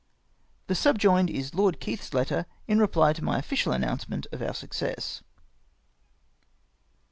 The subjoined is Lord Keith's letter in reply to my official announcement of our success.